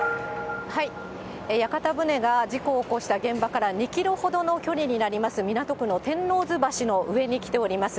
屋形船が事故を起こした現場から２キロほどの距離になります、港区の天王洲橋の上に来ております。